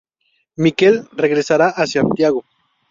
Miquel regresará a Santiago.